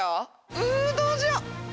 うどうしよう。